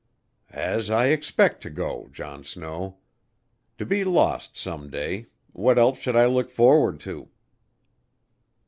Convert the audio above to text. "As I expect to go, John Snow. To be lost some day what else should I look forward to?"